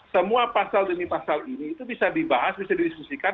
semua pasal demi pasal ini itu bisa dibahas bisa didiskusikan